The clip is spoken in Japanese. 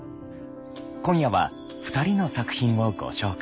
今夜は２人の作品をご紹介。